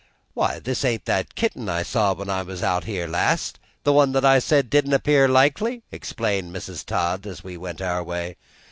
"Why, this ain't that kitten I saw when I was out last, the one that I said didn't appear likely?" exclaimed Mrs. Todd as we went our way.